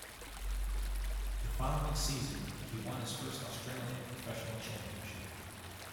The following season he won his first Australian Professional Championship.